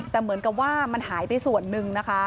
แต่เหมือนกับว่ามันหายไปส่วนหนึ่งนะคะ